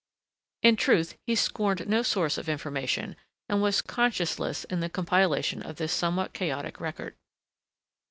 In truth he scorned no source of information, and was conscienceless in the compilation of this somewhat chaotic record.